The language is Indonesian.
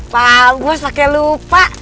pak bos paknya lupa